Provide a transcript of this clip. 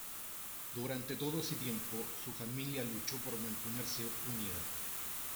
Durante todo ese tiempo su familia luchó por mantenerse unida.